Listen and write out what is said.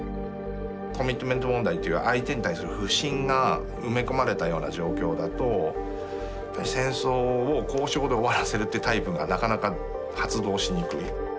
コミットメント問題という相手に対する不信が埋め込まれたような状況だと戦争を交渉で終わらせるってタイプがなかなか発動しにくい。